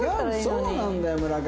そうなんだよ村上。